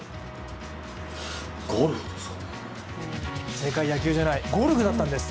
正解は野球じゃない、ゴルフだったんです。